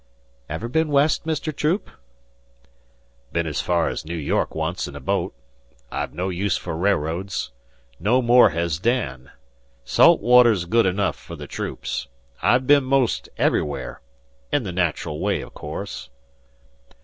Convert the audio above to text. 'Ever been West, Mr. Troop?" "'Bin's fer ez Noo York once in a boat. I've no use for railroads. No more hez Dan. Salt water's good enough fer the Troops. I've been 'most everywhere in the nat'ral way, o' course."